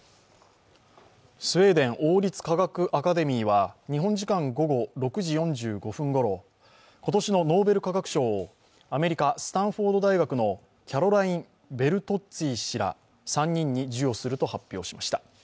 スウェーデン王立科学アカデミーは日本時間午後６時４５分ごろ、今年のノーベル化学賞をアメリカ・スタンフォード大学のキャロライン・ベルトッツィ氏ら３人に授与すると発表しました。